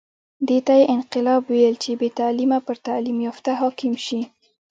دې ته یې انقلاب ویل چې بې تعلیمه پر تعلیم یافته حاکم شي.